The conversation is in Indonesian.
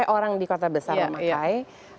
orang di kota besar memakai